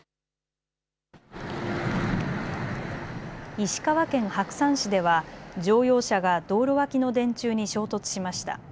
石川県白山市では乗用車が道路脇の電柱に衝突しました。